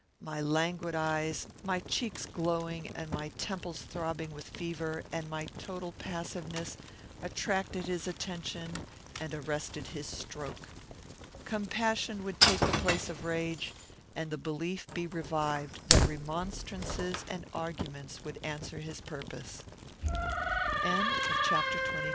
My languid eyes, my cheeks glowing and my temples throbbing with fever, and my total passiveness, attracted his attention and arrested his stroke. Compassion would take the place of rage, and the belief be revived that remonstrances and arguments would answer his purpose. CHAPTER XXIII.